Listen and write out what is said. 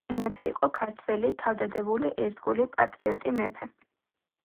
თამარ მეფე იყო ქართველი თავდადებული ერთგული პატრიოტრი ... მეფე .